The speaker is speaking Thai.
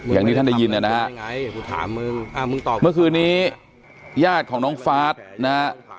อย่างที่ท่านได้ยินอ่ะนะครับเมื่อคืนนี้ญาติของน้องฟาสนะครับ